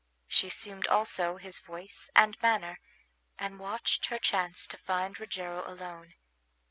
She assumed also his voice and manner, and watched her chance to find Rogero alone.